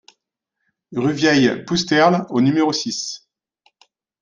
Rue Vieille Pousterle au numéro six